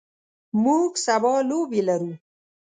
موږ سبا لوبې لرو.